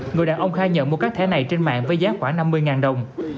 người đàn ông khai nhận mua các thẻ này trên mạng với giá khoảng năm mươi đồng